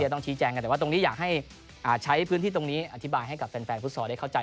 ต้องชี้แจงกันแต่ว่าตรงนี้อยากให้ใช้พื้นที่ตรงนี้อธิบายให้กับแฟนฟุตซอลได้เข้าใจ